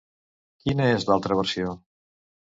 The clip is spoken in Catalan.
Quina és l'altra versió?